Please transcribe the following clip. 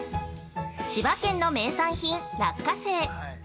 ◆千葉県の名産品、落花生。